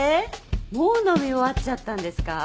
もう飲み終わっちゃったんですか？